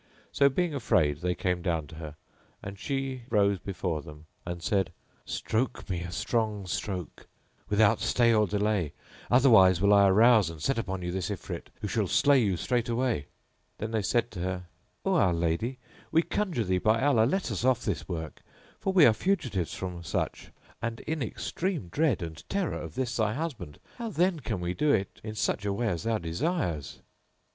So, being afraid, they came down to her and she rose be fore them and said, "Stroke me a strong stroke, without stay or delay, otherwise will I arouse and set upon you this Ifrit who shall slay you straightway." They said to her, "O our lady, we conjure thee by Allah, let us off this work, for we are fugitives from such and in extreme dread and terror of this thy husband. How then can we do it in such a way as thou desirest"?"